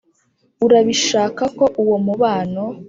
urabishaka ko uwo mubano